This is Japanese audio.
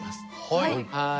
はい。